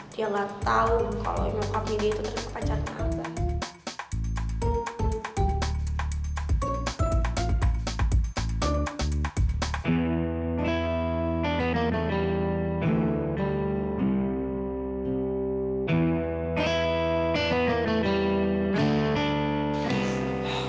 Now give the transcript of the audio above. dia gak tau kalo emang kabini itu terkena pacarnya abah